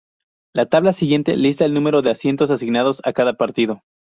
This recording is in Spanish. La tabla siguiente lista el número de asientos asignados a cada partido.